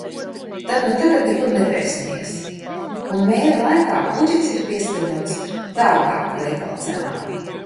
Tad nu tagad nekur nepērsimies un mēra laikā budžets ir pieskaņots dārgāka veikala cenām.